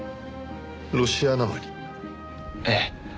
ええ。